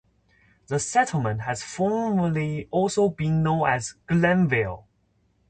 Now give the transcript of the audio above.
The settlement has formerly also been known as Glenville.